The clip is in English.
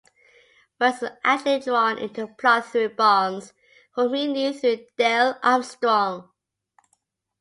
Wells was allegedly drawn into the plot through Barnes, whom he knew through Diehl-Armstrong.